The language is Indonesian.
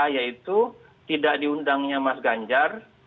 yaitu tidak diundangnya mas ganjar